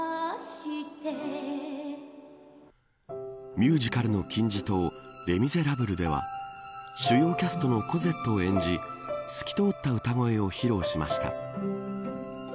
ミュージカルの金字塔レ・ミゼラブルでは主要キャストのコゼットを演じ透き通った歌声を披露しました。